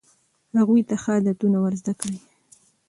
هغوی ته ښه عادتونه ور زده کړئ.